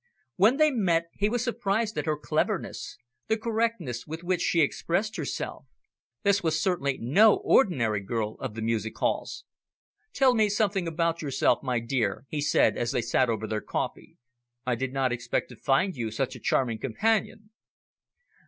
When they met, he was surprised at her cleverness, the correctness with which she expressed herself. This was certainly no ordinary girl of the music halls. "Tell me something about yourself, my dear," he said, as they sat over their coffee. "I did not expect to find you such a charming companion."